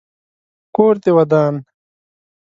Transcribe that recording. کور دي ودان .